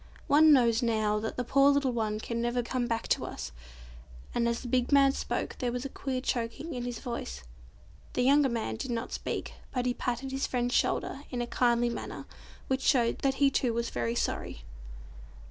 One knows, now, that the poor little one can never come back to us," and as the big man spoke there was a queer choking in his voice. The younger man did not speak, but he patted his friend's shoulder in a kindly manner, which showed that he too was very sorry.